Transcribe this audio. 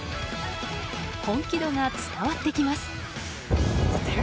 本気度が伝わってきます。